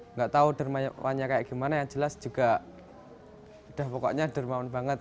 nggak tahu dermawannya kayak gimana yang jelas juga udah pokoknya dermawan banget